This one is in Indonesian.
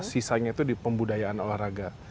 sisanya itu di pembudayaan olahraga